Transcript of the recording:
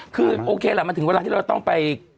คือโอเคแหละมันถึงเวลาที่เราต้องไป